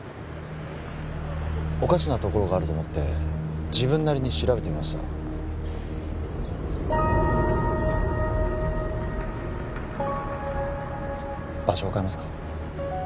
おかしなところがあると思って自分なりに調べてみました場所を変えますか？